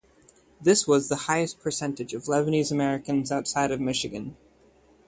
This was the highest percentage of Lebanese Americans outside of Michigan.